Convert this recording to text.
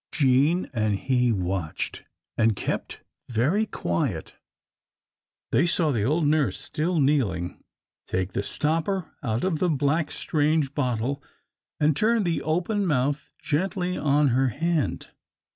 Jean and he watched, and kept very quiet. They saw the old nurse, still kneeling, take the stopper out of the black strange bottle, and turn the open mouth gently on her hand.